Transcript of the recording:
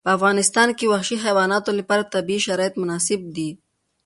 په افغانستان کې وحشي حیواناتو لپاره طبیعي شرایط مناسب دي.